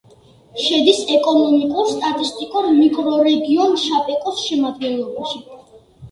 შედის ეკონომიკურ-სტატისტიკურ მიკრორეგიონ შაპეკოს შემადგენლობაში.